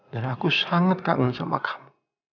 dan aku sangat kangen sama kamu